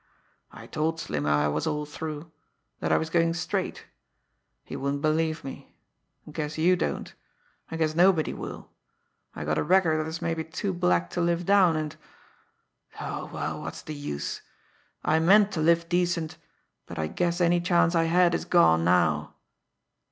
I told Slimmy I was all through that I was goin' straight. He wouldn't believe me. I guess you don't. I guess nobody will. I got a record that's mabbe too black to live down, and oh, well, what's the use! I meant to live decent, but I guess any chance I had is gone now."